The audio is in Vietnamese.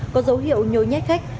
có dấu hiệu nhôi nhét khách